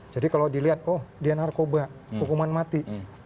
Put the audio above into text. jadi kalau dilihat oh dia narkoba hukuman mati